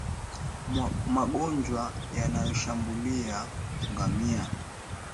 Magonjwa yanayoshambulia ngamia